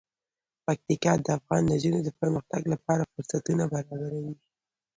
پکتیکا د افغان نجونو د پرمختګ لپاره فرصتونه برابروي.